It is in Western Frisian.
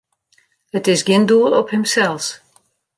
It is gjin doel op himsels.